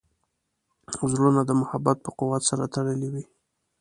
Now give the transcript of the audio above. زړونه د محبت په قوت سره تړلي وي.